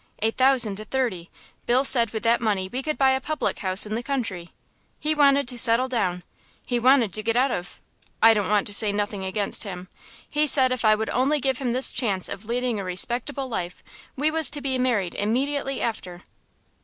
A thousand to thirty. Bill said with that money we could buy a public house in the country. He wanted to settle down, he wanted to get out of I don't want to say nothing against him. He said if I would only give him this chance of leading a respectable life, we was to be married immediately after."